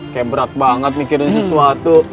kayak berat banget mikirin sesuatu